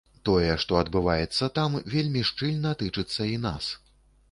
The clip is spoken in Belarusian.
Тое, што адбываецца там, вельмі шчыльна тычыцца і нас.